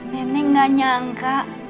nenek gak nyangka